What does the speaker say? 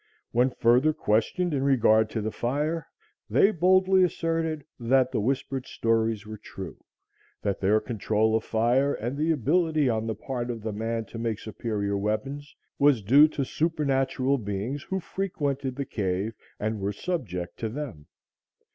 When further questioned in regard to the fire, they boldly asserted that the whispered stories were true; that their control of fire and the ability on the part of the man to make superior weapons was due to supernatural beings who frequented the cave and were subject to them.